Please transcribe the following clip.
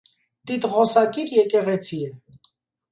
Տիտղոսակիր եկեղեցի է։